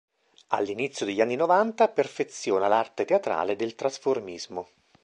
All'inizio degli anni Novanta, perfeziona l'arte teatrale del trasformismo.